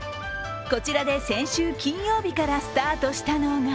こちらで先週金曜日からスタートしたのが